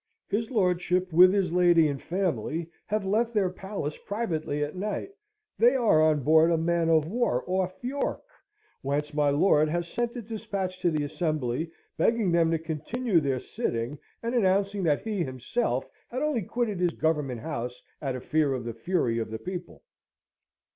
His lordship with his lady and family have left their palace privately at night. They are on board a man of war off York, whence my lord has sent a despatch to the Assembly, begging them to continue their sitting, and announcing that he himself had only quitted his Government House out of fear of the fury of the people."